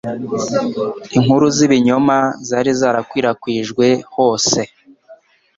Inkuru z'ibinyoma zari zarakwirakwijwe hose,